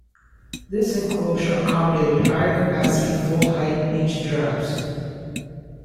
This enclosure accommodated higher capacity, full-height -inch drives.